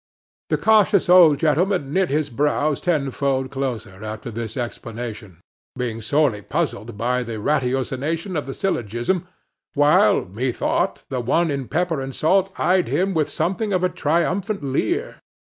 The cautious old gentleman knit his brows tenfold closer after this explanation, being sorely puzzled by the ratiocination of the syllogism, while, methought, the one in pepper and salt eyed him with something of a triumphant leer.